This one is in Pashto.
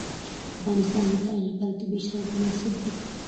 په افغانستان کې د تاریخ لپاره طبیعي شرایط مناسب دي.